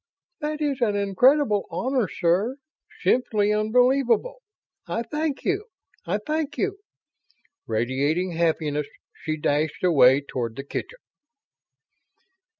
"That is an incredible honor, sir. Simply unbelievable. I thank you! I thank you!" Radiating happiness, she dashed away toward the kitchen.